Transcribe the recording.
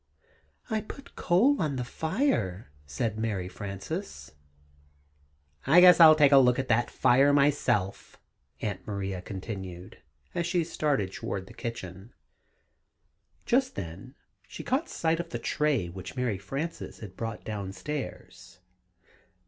"I put coal on the fire," said Mary Frances. "I guess I'll take a look at that fire, myself," Aunt Maria continued, as she started toward the kitchen. Just then, she caught sight of the tray which Mary Frances had brought downstairs.